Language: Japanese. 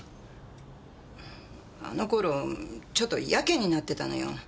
あの頃ちょっと自棄になってたのよ。